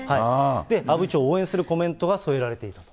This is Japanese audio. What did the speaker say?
阿武町を応援するコメントが添えられていると。